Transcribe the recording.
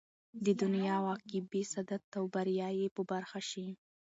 د دنيا او عقبى سعادت او بريا ئې په برخه شي